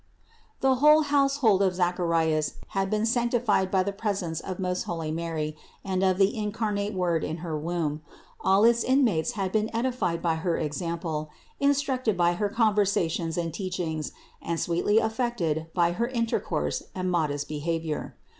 The whole household of Zacharias had been sanc tified by the presence of most holy Mary and of the incarnate Word in her womb; all its inmates had been edified by her example, instructed by her conversations and teachings, and sweetly affected by her intercourse and modest behavior.